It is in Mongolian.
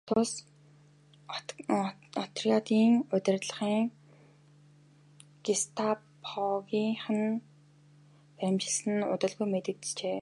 Тус отрядын удирдагчдыг гестапогийнхан баривчилсан нь удалгүй мэдэгджээ.